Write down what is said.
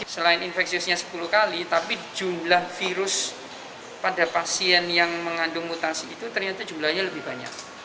selain infeksiusnya sepuluh kali tapi jumlah virus pada pasien yang mengandung mutasi itu ternyata jumlahnya lebih banyak